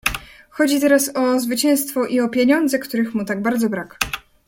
"Chodzi teraz o zwycięstwo i o pieniądze, których mu tak bardzo brak."